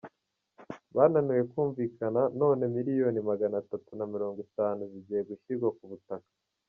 Bananiwe kumvikana none miliyoni Magana atatu na mirongo itanu zigiye gushyirwa ku butaka